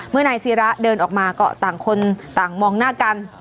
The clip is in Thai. นายศิระเดินออกมาก็ต่างคนต่างมองหน้ากัน